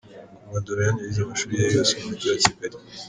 Kundwa Doriane yize amashuri ye yose mu Mujyi wa Kigali.